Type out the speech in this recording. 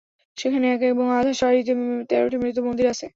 সেখানে এক এবং আধা সারিতে তেরোটি মৃত মন্দির আছে।